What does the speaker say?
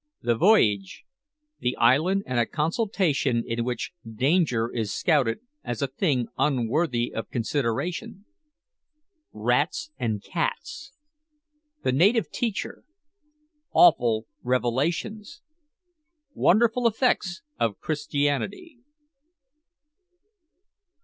THE VOYAGE THE ISLAND, AND A CONSULTATION IN WHICH DANGER IS SCOUTED AS A THING UNWORTHY OF CONSIDERATION RATS AND CATS THE NATIVE TEACHER AWFUL REVELATIONS WONDERFUL EFFECTS OF CHRISTIANITY.